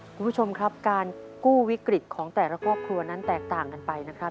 คุณผู้ชมครับการกู้วิกฤตของแต่ละครอบครัวนั้นแตกต่างกันไปนะครับ